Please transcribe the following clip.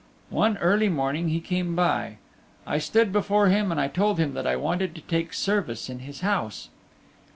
One early morning he came by. I stood before him and I told him that I wanted to take service in his house.